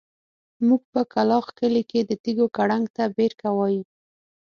موږ په کلاخ کلي کې د تيږو کړنګ ته بېرکه وايو.